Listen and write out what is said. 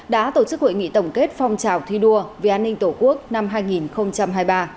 đã tổ chức hội nghị tổng kết phong trào thi đua vì an ninh tổ quốc năm hai nghìn hai mươi ba